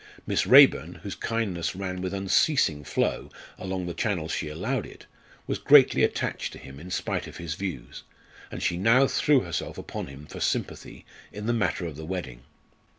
Miss Raeburn, whose kindness ran with unceasing flow along the channels she allowed it, was greatly attached to him in spite of his views, and she now threw herself upon him for sympathy in the matter of the wedding.